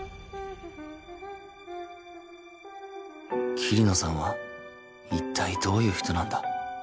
桐野さんは一体どういう人なんだ？